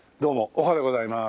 おはようございます。